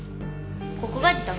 ここが自宅。